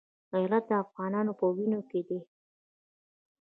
غیرت د افغانانو په وینو کې دی.